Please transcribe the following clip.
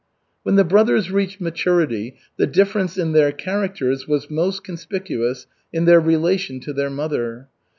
When the brothers reached maturity, the difference in their characters was most conspicuous in their relation to their mother.